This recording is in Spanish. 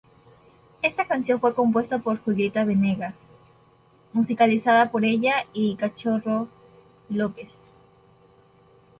Está canción fue compuesta por Julieta Venegas, musicalizada por ella y Cachorro López.